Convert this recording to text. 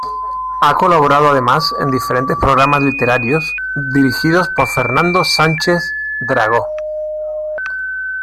Ha colaborado además en diferentes programas literarios dirigidos por Fernando Sánchez Dragó.